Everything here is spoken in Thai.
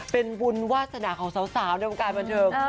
เป็นบุญวาสนาของสาวในวงการบันเทิง